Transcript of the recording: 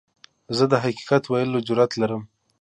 زه د حقیقت ویلو جرئت لرم.